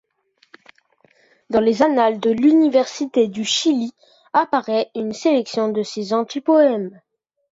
Dans les annales de l'université du Chili, apparaît une sélection de ses anti-poèmes.